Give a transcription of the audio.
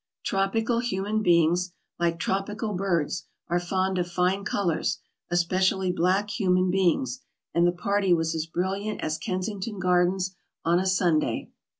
Tropical human beings, like trop ical birds, are fond of fine colors, especially black human beings, and the park was as brilliant as Kensington Gardens on a Sunday.